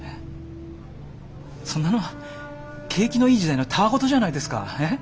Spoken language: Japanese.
そんなのは景気のいい時代のたわ言じゃないですか。